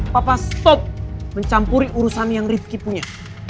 papa stop mencampuri urusan yang rifki punya